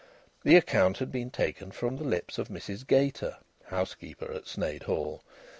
The account had been taken from the lips of Mrs Gater, housekeeper at Sneyd Hall.